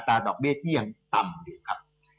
อัตราดอกเบี้ยที่ยังต่ำเลยครับ